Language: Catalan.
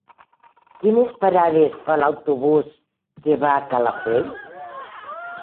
Quines parades fa l'autobús que va a Calafell?